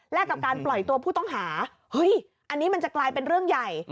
และกับการปล่อยตัวผู้ต้องหาเฮ้ยอันนี้มันจะกลายเป็นเรื่องใหญ่